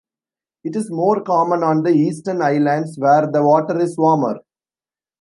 It is more common on the eastern islands where the water is warmer.